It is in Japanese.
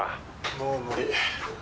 もう無理。